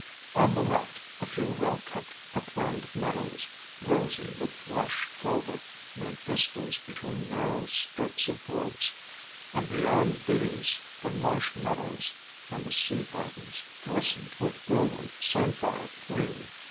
On the left a few well kept upland meadows, rosy with lush Clover, made vistas between narrow strips of woods, and beyond these the marsh meadows and the Sea Gardens glistened with brilliant samphire green.